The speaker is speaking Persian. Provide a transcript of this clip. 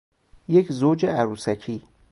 یک زوج عروسکی